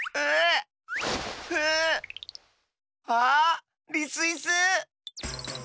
あリスイス！